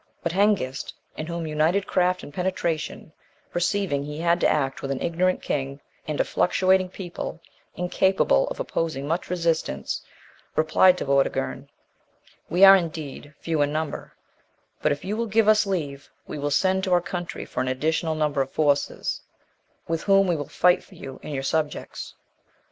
37. But Hengist, in whom united craft and penetration, perceiving he had to act with an ignorant king, and a fluctuating people, incapable of opposing much resistance, replied to Vortigern, "We are, indeed, few in number; but, if you will give us leave, we will send to our country for an additional number of forces, with whom we will fight for you and your subjects."